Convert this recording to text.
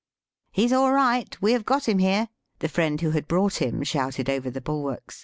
" He's all right; we have got him here," the friend who had brought him shouted over the bulwarks.